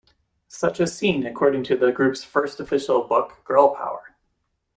Such a scene, according to the group's first official book Girl Power!